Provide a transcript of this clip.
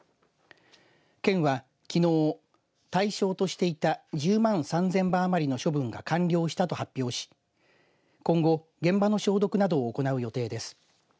県はきのう対象としていた１０万３０００羽余りの処分が完了したと発表し今後現場の消毒などを行う予定です。